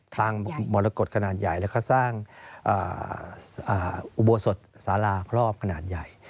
สร้างมรกฎขนาดใหญ่แล้วเขาสร้างอุบวสถศาลานะครอบขนาดใหญ่